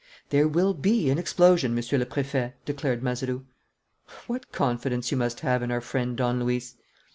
"There will be an explosion, Monsieur le Préfet," declared Mazeroux. "What confidence you must have in our friend Don Luis!"